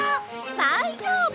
大丈夫！